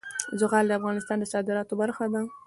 زغال د افغانستان د صادراتو برخه ده.